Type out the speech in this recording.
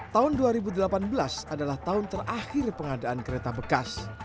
tahun dua ribu delapan belas adalah tahun terakhir pengadaan kereta bekas